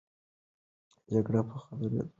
جګړه په خورېدو وه.